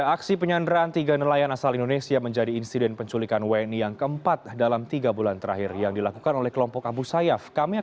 aksi penyanderaan tiga nelayan asal indonesia menjadi insiden penculikan wni yang keempat dalam tiga bulan terakhir yang dilakukan oleh kelompok abu sayyaf